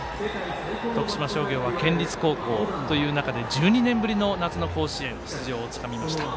徳島商業は県立高校という中で１２年ぶりの夏の甲子園出場をつかみました。